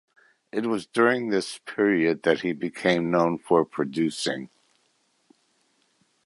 It was during this period that he became known for producing.